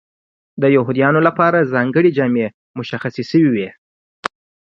د یهودیانو لپاره ځانګړې جامې مشخصې شوې وې.